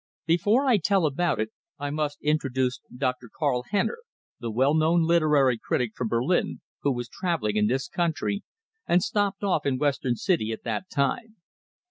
Before I tell about it, I must introduce Dr. Karl Henner, the well known literary critic from Berlin, who was travelling in this country, and stopped off in Western City at that time.